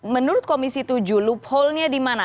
menurut komisi tujuh loophole nya di mana